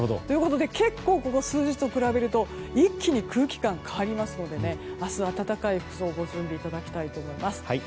結構、ここ数日と比べると一気に空気感変わりますので明日、暖かい服装で過ごしていただきたいと思います。